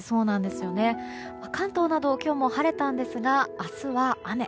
関東など今日も晴れたんですが明日は雨。